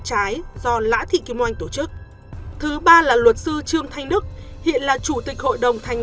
trái do lã thị kim oanh tổ chức thứ ba là luật sư trương thanh đức hiện là chủ tịch hội đồng thành